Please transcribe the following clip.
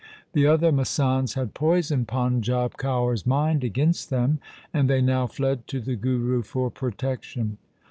The other masands had poisoned Panjab Kaur's mind against them, and they now fled to the Guru for protection.